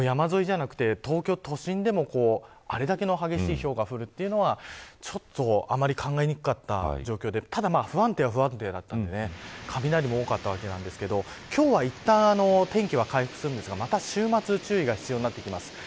山沿いじゃなくて、東京都心でもあれだけの激しいひょうが降るというのはあまり考えにくかった状況でただ、不安定は不安定だったので雷も多かったわけですけど今日はいったん、天気は回復するんですが、また週末は注意が必要になってきます。